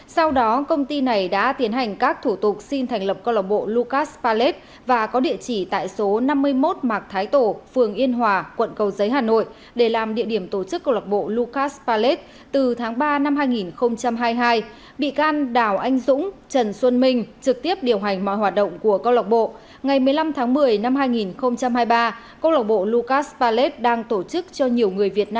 sau đó công ty này đã tiến hành các thủ tục xin thành lập công lộc bộ lucas palette